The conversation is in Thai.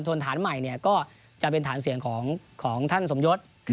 นฐานใหม่ก็จะเป็นฐานเสียงของท่านสมยศ